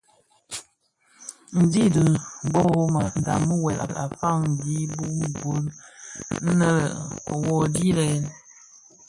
Ndhi i Mbhöbhög a ndhami wuèl a faňi bi gul nwe lè: wuodhi yèn !